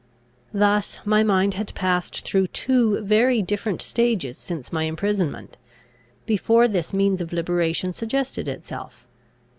Thus my mind had passed through two very different stages since my imprisonment, before this means of liberation suggested itself.